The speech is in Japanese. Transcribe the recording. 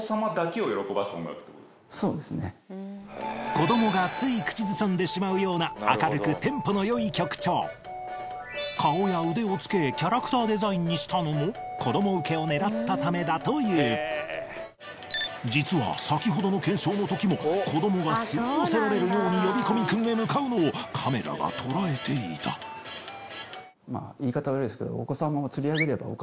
子供がつい口ずさんでしまうような顔や腕をつけにしたのも子供受けを狙ったためだという実は先ほどの検証の時も子供が吸い寄せられるように呼び込み君へ向かうのをカメラが捉えていた言い方悪いですけど。